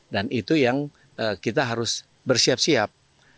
dan itu yang kita harus bersiap siap